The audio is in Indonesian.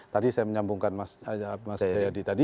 tadi saya menyambungkan mas priyadi tadi